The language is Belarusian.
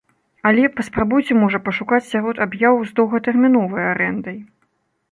Але паспрабуйце можа пашукаць сярод аб'яў з доўгатэрміновай арэндай.